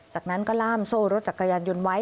จากนั้นก็ล่ามโซ่รถจักรยานยนต์ไว้